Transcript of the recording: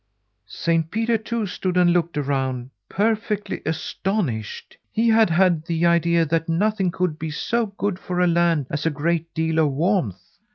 "Saint Peter, too, stood and looked around perfectly astonished. He had had the idea that nothing could be so good for a land as a great deal of warmth.